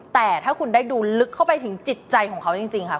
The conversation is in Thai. แต่ถ้าคุณได้ดูลึกเข้าไปถึงจิตใจของเขาจริงค่ะ